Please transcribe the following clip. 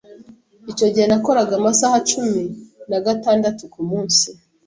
Icyo gihe nakoraga amasaha cumi nagatandatu kumunsi.